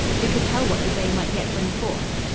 Who could tell what the day might yet bring forth?